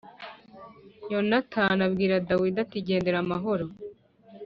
Yonatani abwira Dawidi ati “Igendere amahoro”